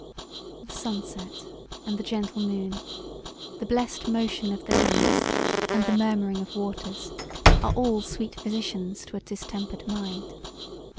The sunset and the gentle moon, the blessed motion of the leaves and the murmuring of waters are all sweet physicians to a distempered mind.